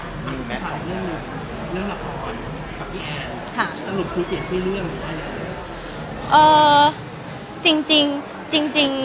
แมทโชคดีแมทโชคดีแมทโชคดี